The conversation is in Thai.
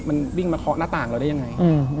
มันวิ่งมาเคาะหน้าต่างเราได้ยังไง